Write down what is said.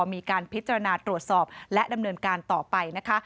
มีการพิจารณาตรวจสอบและดำเนินการต่อไปนะคะ